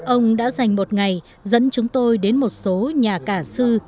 ông đã dành một ngày dẫn chúng tôi đến một số nhà cả sư